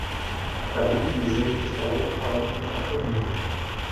Acabei de dizer que estava ocupado com o cachorrinho.